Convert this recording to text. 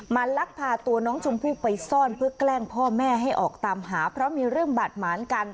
ลักพาตัวน้องชมพู่ไปซ่อนเพื่อแกล้งพ่อแม่ให้ออกตามหาเพราะมีเรื่องบาดหมานกัน